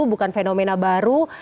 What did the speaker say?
bukan fenomena baru